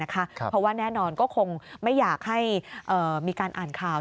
เพราะว่าแน่นอนก็คงไม่อยากให้มีการอ่านข่าว